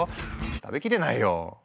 食べきれないよ！